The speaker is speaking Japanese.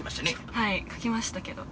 はい書きましたけど。